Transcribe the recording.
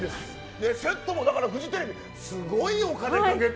セットもフジテレビすごいお金をかけて。